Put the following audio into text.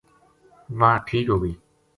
واہ ٹھیک ہو گئی